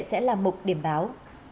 sẽ là một điểm báo